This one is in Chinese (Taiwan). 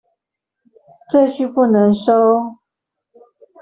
這句不能收